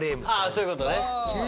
あそういうことね。